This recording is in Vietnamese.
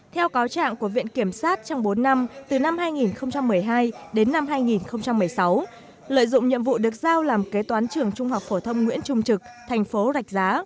theo cáo trạng của viện kiểm sát trong bốn năm từ năm hai nghìn một mươi hai đến năm hai nghìn một mươi sáu lợi dụng nhiệm vụ được giao làm kế toán trường trung học phổ thông nguyễn trung trực thành phố rạch giá